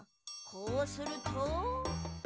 こうすると。